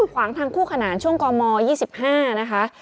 ขวางทางคู่ขนานช่วงกม๒๕นะคะ